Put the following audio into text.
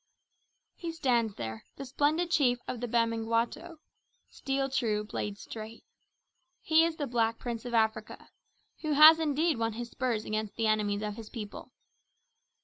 He stands there, the splendid chief of the Bamangwato "steel true, blade straight." He is the Black Prince of Africa who has indeed won his spurs against the enemies of his people.